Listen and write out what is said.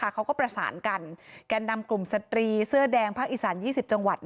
เขาก็ประสานกันแก่นำกลุ่มสตรีเสื้อแดงภาคอีสาน๒๐จังหวัด